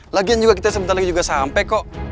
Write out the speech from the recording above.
lagian juga kita sebentar lagi juga sampai kok